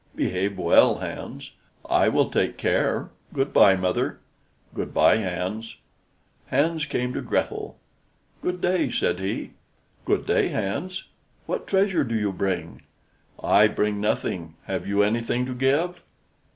"Behave well, Hans." "I will take care; good by, mother." "Good by, Hans." Hans came to Grethel. "Good day," said he. "Good day, Hans. What treasure do you bring?" "I bring nothing. Have you anything to give?"